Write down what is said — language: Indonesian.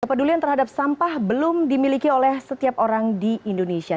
kepedulian terhadap sampah belum dimiliki oleh setiap orang di indonesia